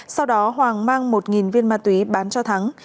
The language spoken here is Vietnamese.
sau đó hoàng mang một viên ma túy bán cho thắng